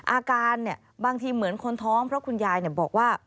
อาการบางทีเหมือนคนท้องเพราะคุณยายบอกว่า